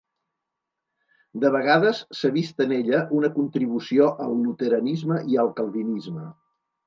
De vegades s'ha vist en ella una contribució al Luteranisme i al Calvinisme.